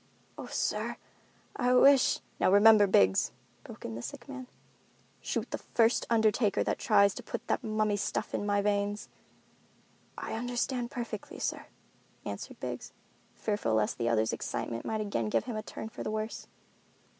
"Oh, sir, I wish——" "Now remember, Biggs," broke in the sick man, "shoot the first undertaker that tries to put that mummy stuff in my veins." "I understand perfectly, sir," answered Biggs, fearful lest the other's excitement might again give him a turn for the worse.